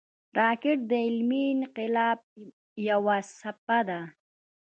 راکټ د علمي انقلاب یوه څپه ده